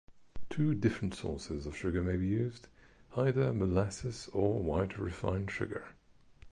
Two different sources of sugar may be used, either molasses or white refined sugar.